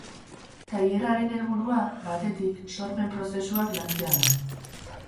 Tailerraren helburua, batetik, sormen prozesuak lantzea da.